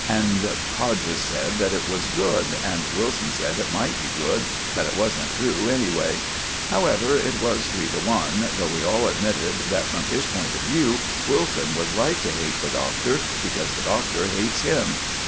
and Hodges said that it was good, and Wilson said it might be good, but it wasn't true, anyway. However, it was three to one, though we all admitted that, from his point of view, Wilson was right to hate the Doctor, because the Doctor hates him.